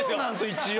一応。